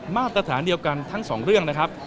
มาตรฐานเดียวกันทั้งสองเรื่องนะครับ